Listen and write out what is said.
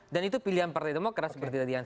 dan itu pilihan partai demokrat seperti yang